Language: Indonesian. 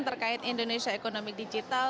terkait indonesia ekonomi digital